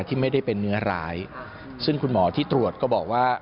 ที่ไม่ได้เป็นเนื้อร้ายซึ่งคุณหมอที่ตรวจก็บอกว่า